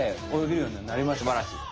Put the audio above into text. すばらしい！